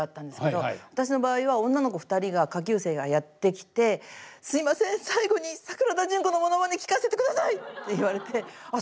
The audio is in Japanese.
私の場合は女の子２人が下級生がやって来て「すいません最後に桜田淳子のものまね聞かせてください」って言われてあっ